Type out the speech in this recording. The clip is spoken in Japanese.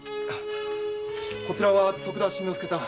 こちらは徳田新之助さん。